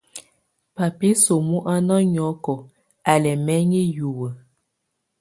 Bab isǝ́mu á ná nyɔ́kɔ, á lɛ́ ɛmɛŋɛ hiwǝ́.